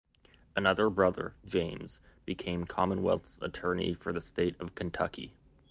Another brother, James, became Commonwealth's Attorney for the state of Kentucky.